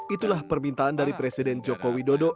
itulah permintaan dari presiden joko widodo